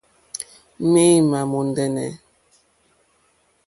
Méǃémà mòndɛ́nɛ̀.